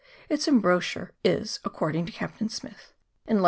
Its embouchure is, according to Captain Smith, in lat.